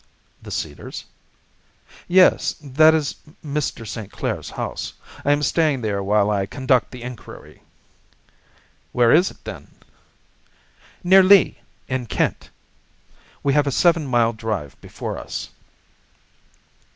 "The Cedars?" "Yes; that is Mr. St. Clair's house. I am staying there while I conduct the inquiry." "Where is it, then?" "Near Lee, in Kent. We have a seven mile drive before us."